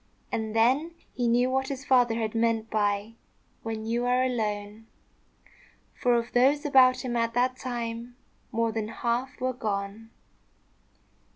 And then he knew what his father had meant by "when you are alone;" for of those about him at that time, more than half were gone.